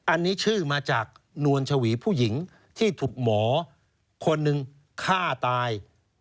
อันนี้ชื่อมาจากนวลชวีผู้หญิงที่ถูกหมอคนหนึ่งฆ่าตาย